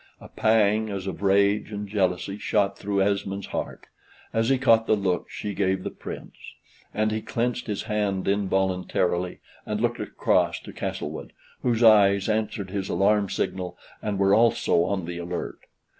A pang, as of rage and jealousy, shot through Esmond's heart, as he caught the look she gave the Prince; and he clenched his hand involuntarily and looked across to Castlewood, whose eyes answered his alarm signal, and were also on the alert.